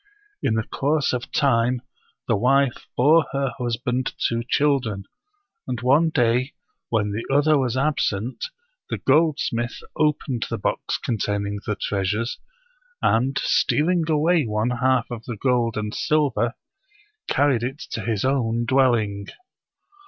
In the course of time the wife bore her hus band two children ; and one day, when the other was ab sent, the goldsmith opened the box containing the treas ures, and, stealing away one half of the gold and silver, carried it to his own dwelling.